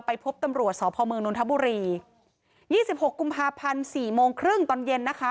พบตำรวจสพเมืองนนทบุรียี่สิบหกกุมภาพันธ์สี่โมงครึ่งตอนเย็นนะคะ